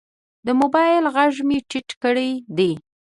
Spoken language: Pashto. د موبایل غږ مې ټیټ کړی دی.